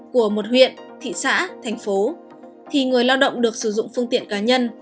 của một huyện thị xã thành phố thì người lao động được sử dụng phương tiện cá nhân